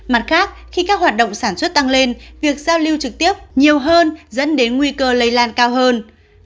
mặt khác khi các hoạt động sản xuất tăng lên việc giao lưu trực tiếp nhiều hơn dẫn đến nguy cơ lây lan cao hơn